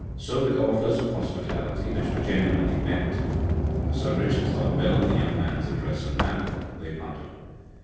So with offers of hospitality, which were genuinely meant (for Sir Richard thought well of the young man's address and manner), they parted.